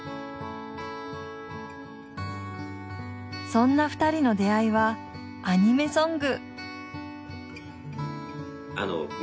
そんな２人の出会いはアニメソング。